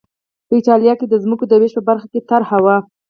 په اېټالیا کې د ځمکو د وېش په برخه کې طرحه وه